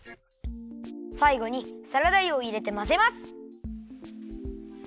さいごにサラダ油をいれてまぜます。